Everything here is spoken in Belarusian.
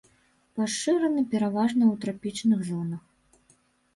Пашыраны пераважна ў трапічных зонах.